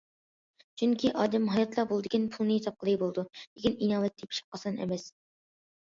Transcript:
چۈنكى ئادەم ھاياتلا بولىدىكەن پۇلنى تاپقىلى بولىدۇ، لېكىن، ئىناۋەت تېپىش ئاسان ئەمەس.